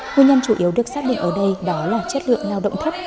nguyên nhân chủ yếu được xác định ở đây đó là chất lượng lao động thấp